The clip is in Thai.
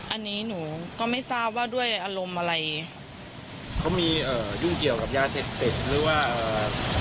อันนี้หนูก็ไม่ทราบว่าด้วยอารมณ์อะไรเขามีเอ่อยุ่งเกี่ยวกับยาเสพติดหรือว่าเอ่อ